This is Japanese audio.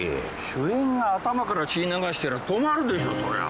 主演が頭から血流してりゃ止まるでしょそりゃあ。